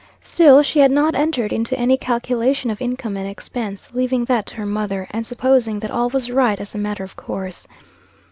Still, she had not entered into any calculation of income and expense, leaving that to her mother, and supposing that all was right as a matter of course.